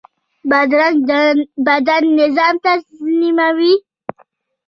بادرنګ د بدن نظام تنظیموي.